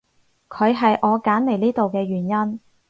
佢係我揀嚟呢度嘅原因